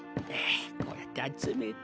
こうやってあつめて。